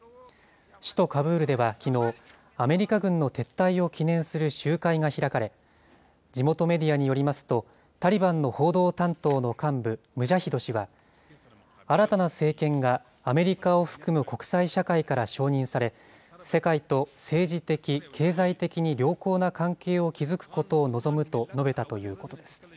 首都カブールではきのう、アメリカ軍の撤退を記念する集会が開かれ、地元メディアによりますと、タリバンの報道担当の幹部、ムジャヒド氏は、新たな政権がアメリカを含む国際社会から承認され、世界と政治的、経済的に良好な関係を築くことを望むと述べたということです。